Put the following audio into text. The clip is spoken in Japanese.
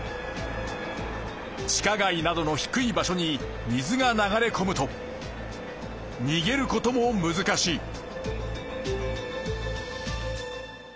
地下街などの低い場所に水が流れこむと逃げる事もむずかしい。